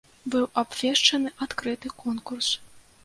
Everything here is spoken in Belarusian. Быў абвешчаны адкрыты конкурс.